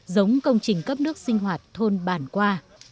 giống công trình cấp nước sinh hoạt thôn bản qua